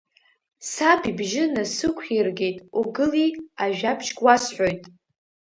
Саб ибжьы насықәиргеит, угыли, ажәабжьк уасҳәоит!